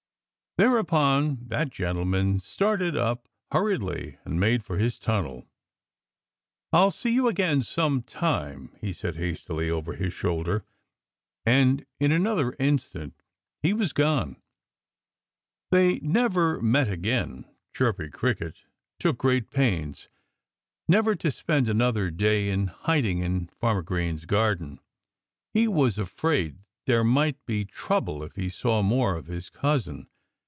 Thereupon that gentleman started up hurriedly and made for his tunnel. "I'll see you again sometime," he said hastily over his shoulder. And in another instant he was gone. They never met again. Chirpy Cricket took great pains never to spend another day in hiding in Farmer Green's garden. He was afraid there might be trouble if he saw more of his cousin.